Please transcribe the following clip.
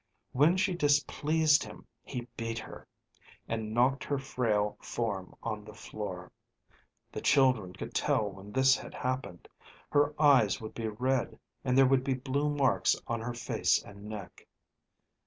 When she displeased him, he beat her, and knocked her frail form on the floor. The children could tell when this had happened. Her eyes would be red, and there would be blue marks on her face and neck.